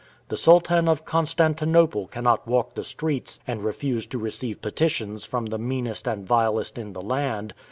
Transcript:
The Sultan of Constantinople cannot walk the streets and refuse to receive petitions from the meanest and vilest in the land.